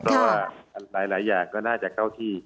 เพราะว่าหลายอย่างก็น่าจะเข้าที่